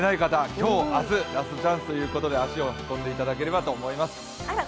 今日、明日、ラストチャンスということで足を運んでいただければと思います。